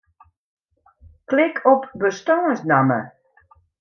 Klik op bestânsnamme.